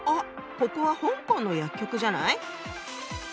ここは香港の薬局じゃない？